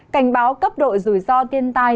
cảnh báo cấp độ dùi do tiên tai